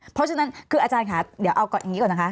เพราะฉะนั้นคืออาจารย์ค่ะเดี๋ยวเอาอย่างนี้ก่อนนะคะ